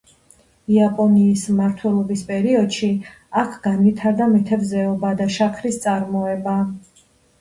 იაპონიის მმართველობის პერიოდში აქ განვითარდა მეთევზეობა და შაქრის წარმოება.